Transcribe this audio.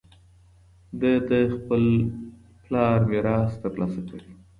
ده د خپل پلار میراث ترلاسه کړی و